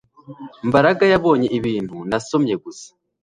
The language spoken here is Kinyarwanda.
Mbaraga yabonye ibintu nasomye gusa